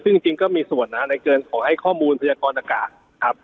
ซึ่งจริงจริงก็มีส่วนนะฮะในเกิดของให้ข้อมูลพระยากรณกาศครับ